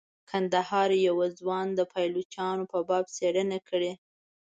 کندهار یوه ځوان د پایلوچانو په باب څیړنه کړې.